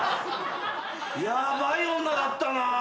ヤバい女だったな。